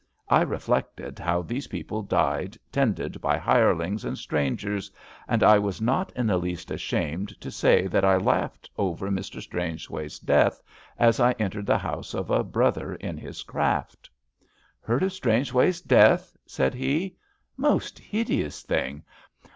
I reflected how these people died tended by hirelings and strangers, and I was not in the least ashamed to say that I laughed over Mr. Strangeways' death as I en tered the house of a brother in his craft. Heard of Strangeways' death? " said he. ^* Most hideous thing.